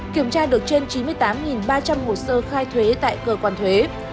kiểm tra được trên chín mươi tám ba trăm linh hồ sơ khai thuế tại cơ quan thuế